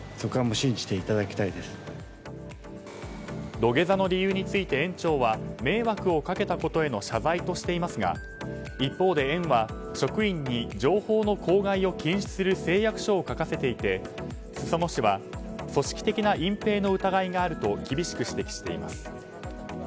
土下座の理由について園長は迷惑をかけたことについての謝罪としていますが一方で園は職員に情報の口外を禁止する誓約書を書かせていて裾野市は組織的な隠ぺいの疑いがあると厳しく指摘しています。